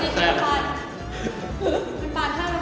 จริงปัน